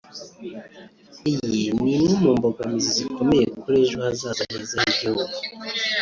Iyi ni imwe mu mbogamizi zikomeye kuri ejo hazaza heza h’igihugu